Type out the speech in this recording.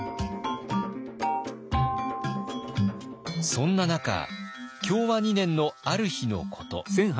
そんな中享和２年のある日のこと。